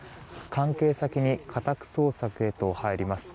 関係先に家宅捜索へと入ります。